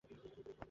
তোমার গ্রেড কী?